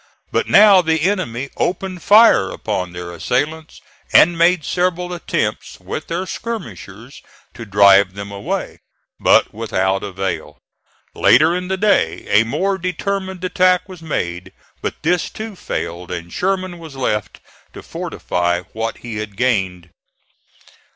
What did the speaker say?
But now the enemy opened fire upon their assailants, and made several attempts with their skirmishers to drive them away, but without avail. Later in the day a more determined attack was made, but this, too, failed, and Sherman was left to fortify what he had gained.